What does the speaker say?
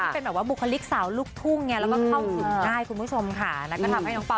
แล้วก็แบบมีการแก้กังว่าจะตัดดีหรือเปล่า